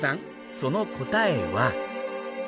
その答えは？